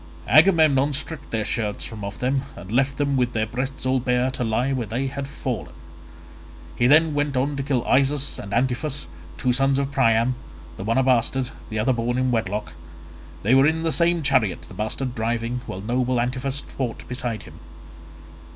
Agamemnon stripped their shirts from off them and left them with their breasts all bare to lie where they had fallen. He then went on to kill Isus and Antiphus two sons of Priam, the one a bastard, the other born in wedlock; they were in the same chariot—the bastard driving, while noble Antiphus fought beside him.